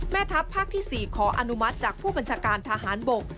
แม่ทัพภาคที่๔ขออนุมัติจากผู้บัญชาการทหารบก